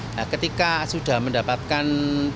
nah ketika sudah mendapatkan